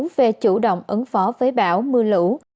về chủ động ứng phó với bão mưa lũ